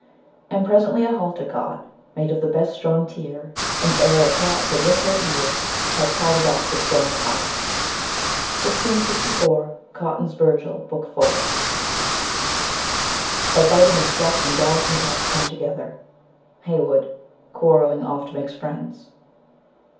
"And presently a halter got, Made of the best strong teer, And ere a cat could lick her ear, Had tied it up with so much art." 1664, COTTON'S Virgile, Book 4. By biting and scratching dogs and cats come together. HEYWOOD. Quarrelling oft makes friends.